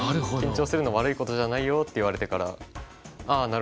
「緊張するのは悪いことじゃないよ」って言われてからああ